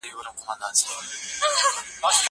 زه به اوږده موده د کتابتون پاکوالی کړی وم!؟